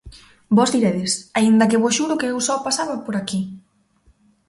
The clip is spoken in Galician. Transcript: Vós diredes, aínda que vos xuro que eu só pasaba por aquí.